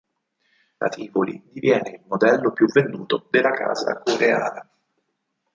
La Tivoli diviene il modello più venduto della casa coreana.